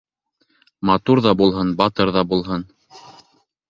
Матур ҙа булһын, батыр ҙа булһын.